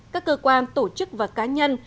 các cơ quan tổ chức và cá nhân